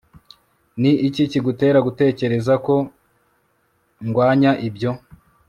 Ni iki kigutera gutekereza ko ndwanya ibyo